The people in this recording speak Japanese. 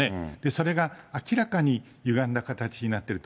それが明らかにゆがんだ形になってる。